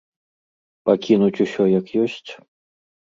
Пакінуць усё як ёсць?